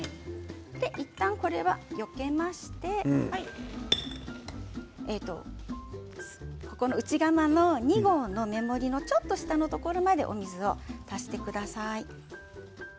いったん、これはよけまして内釜の２合目盛りのちょっと下のところまでお水を足してください。